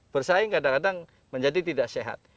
bersaing kadang kadang menjadi tidak sehat